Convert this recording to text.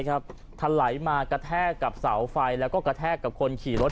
ครับทันไหลมากระแทกกับเสาไฟแล้วก็กระแทกกับคนขี่รถ